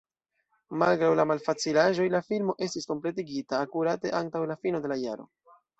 Malgraŭ la malfacilaĵoj, la filmo estis kompletigita akurate antaŭ la fino de la jaro.